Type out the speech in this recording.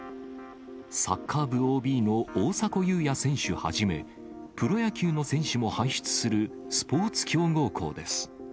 サッカー部ＯＢの大迫勇也選手はじめ、プロ野球の選手も輩出するスポーツ強豪校です。